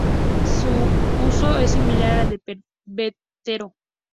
Su uso es similar al del pebetero.